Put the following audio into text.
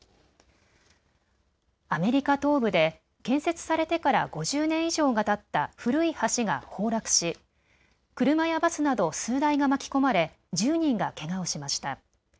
アメリカ東部で建設されてから５０年以上がたった古い橋が崩落し車やバスなど数台が巻き込まれ１０人がけがをしました。